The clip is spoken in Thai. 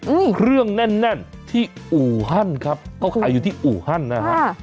อืมเครื่องแน่นแน่นที่อู่ฮั่นครับเขาขายอยู่ที่อู่ฮั่นนะฮะค่ะ